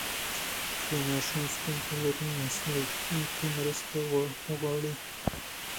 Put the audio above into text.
که ماشوم ستونزه لري، مسلکي مرسته وغواړئ.